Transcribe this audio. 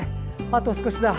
あと少しだ。